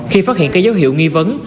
khi phát hiện cái dấu hiệu nghi vấn